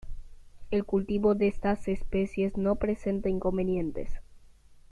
El cultivo de estas especies no presenta inconvenientes.